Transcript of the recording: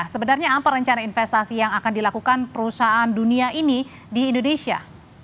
sebenarnya apa rencana investasi yang akan dilakukan perusahaan dunia ini di indonesia